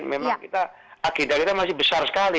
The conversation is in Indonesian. memang kita agenda kita masih besar sekali